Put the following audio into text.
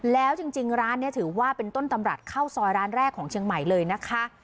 แล้วจริงร้านนี้ถือว่าเป็นต้นตำรับข้าวซอยร้านแรกของเชียงใหม่เลยนะคะ